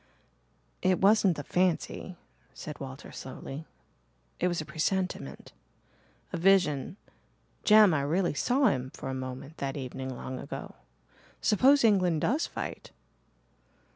"It wasn't a fancy," said Walter slowly. "It was a presentiment a vision Jem, I really saw him for a moment that evening long ago. Suppose England does fight?"